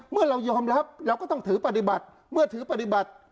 เมื่อเรายอมรับเราก็ต้องถือปฏิบัติเมื่อถือปฏิบัติ